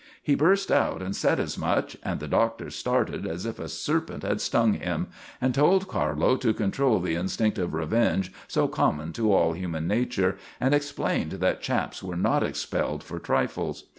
He burst out and said as much, and the Doctor started as if a serpent had stung him, and told Carlo to control the instinct of revenge so common to all human nature, and explained that chaps were not expelled for trifles.